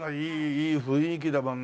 いい雰囲気だもんね。